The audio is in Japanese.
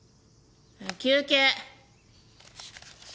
休憩！